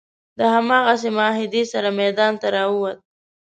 د همدغې معاهدې سره میدان ته راووت.